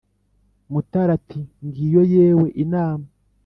Mutara ati: "Ngiyo yewe inama!"